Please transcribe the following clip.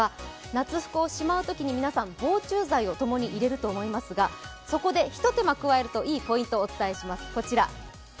夏服をしまうときに皆さん防虫剤をともに入れると思いますがそこでひと手間加えるといいポイントをお伝えします。